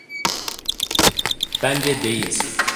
Bence değilsin.